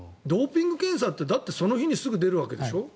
ドーピング検査ってだって、その日にすぐ出るわけでしょ。